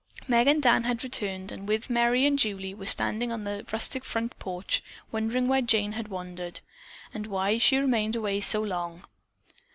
Meg and Dan had returned and with Merry and Julie were standing on the rustic front porch wondering where Jane had wandered, and why she remained away so long.